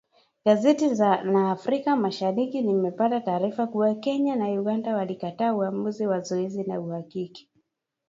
Gazeti la Afrika Mashariki limepata taarifa kuwa Kenya na Uganda walikataa uamuzi wa zoezi la uhakiki.